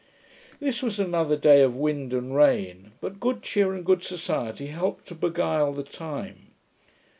This was another day of wind and rain; but good cheer and good society helped to beguile the time.